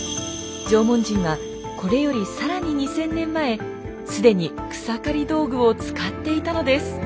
縄文人はこれより更に２，０００年前すでに草刈り道具を使っていたのです。